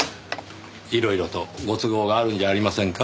いろいろとご都合があるんじゃありませんか。